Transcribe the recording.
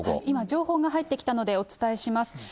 今情報が入ってきたので、お伝えします。